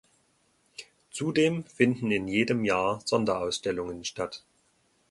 Zudem finden in jedem Jahr Sonderausstellungen statt.